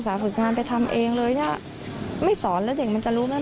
งศาษย์ฝึกงานไปทำเองเลยนะไม่สอนแล้วเด็กมันจะรู้มั้ง